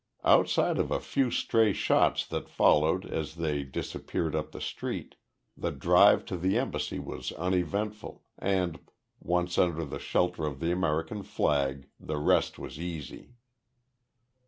Outside of a few stray shots that followed as they disappeared up the street, the drive to the Embassy was uneventful, and, once under the shelter of the American flag, the rest was easy.